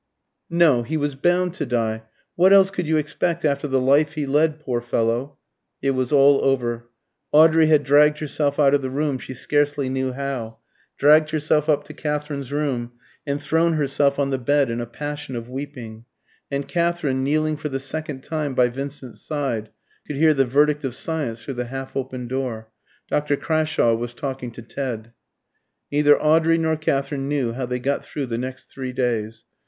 "No; he was bound to die. What else could you expect after the life he led, poor fellow?" It was all over. Audrey had dragged herself out of the room, she scarcely knew how dragged herself up to Katherine's room and thrown herself on the bed in a passion of weeping; and Katherine, kneeling for the second time by Vincent's side, could hear the verdict of science through the half open door. Dr. Crashawe was talking to Ted. Neither Audrey nor Katherine knew how they got through the next three days.